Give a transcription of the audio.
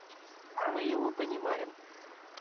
Мы его понимаем.